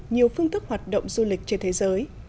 nhiều phương thức hoạt động du lịch trên thế giới